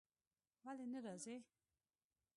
ولی نه راځی ؟